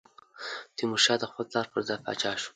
تیمورشاه د خپل پلار پر ځای پاچا شو.